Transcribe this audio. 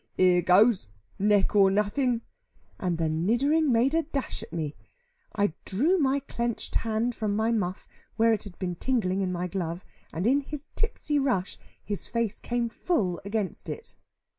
"Here goes, neck or nothing;" and the niddering made a dash at me. I drew my clenched hand from my muff, where it had been tingling in my glove, and in his tipsy rush, his face came full against it.